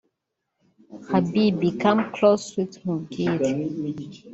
Habibi come close sweet nkubwire